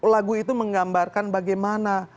lagu itu menggambarkan bagaimana